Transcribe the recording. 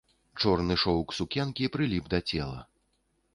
Чорны шоўк сукенкі прыліп да цела.